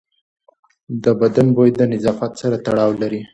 د بدن بوی د نظافت سره تړاو لري.